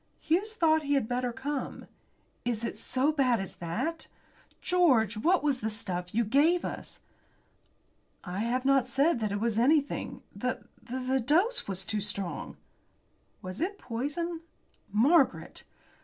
"Hughes thought that he had better come." "Is it so bad as that? George, what was that stuff you gave us?" "I have not said that it was anything. The the dose was too strong." "Was it poison?" "Margaret!"